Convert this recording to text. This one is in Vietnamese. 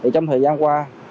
trong thời gian qua